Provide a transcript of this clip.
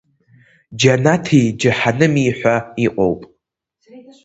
Џьанаҭи џьаҳаными ҳәа иҟоуп.